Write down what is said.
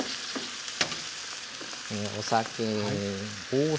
お酒。